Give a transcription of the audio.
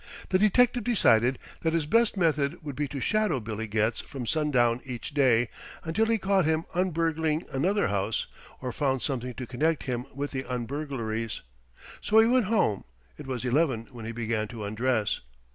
The detective decided that his best method would be to shadow Billy Getz from sundown each day, until he caught him un burgling another house, or found something to connect him with the un burglaries. So he went home. It was eleven when he began to undress.